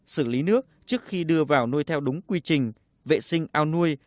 xử lý nước trước khi đưa vào nuôi theo đúng quy trình vệ sinh ao nuôi